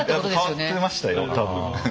変わってましたよ多分。